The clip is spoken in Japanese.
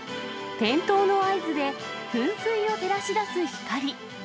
点灯の合図で、噴水を照らし出す光。